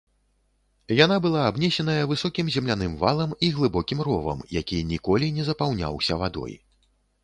Яна была абнесеная высокім земляным валам і глыбокім ровам, які ніколі не запаўняўся вадой.